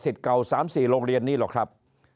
เก่า๓๔โรงเรียนนี้หรอกครับ